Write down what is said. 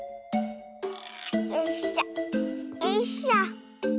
よいしょよいしょ。